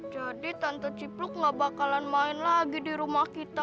jadi tante cipluk gak bakalan main lagi di rumah kita